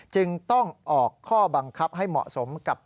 จึงต้องออกข้อบังคับให้เหมาะสมกับ